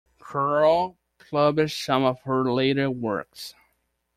Curll published some of her later works.